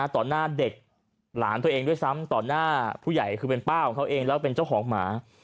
หน้าเด็กหลานตัวเองด้วยซ้ำต่อหน้าผู้ใหญ่คือเป็นป้าของเขาเองแล้วเป็นเจ้าของหมา